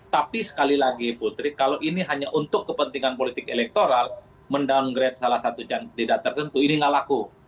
tapi sekali lagi putri kalau ini hanya untuk kepentingan politik elektoral men downgrade salah satu jantung tidak tertentu ini enggak laku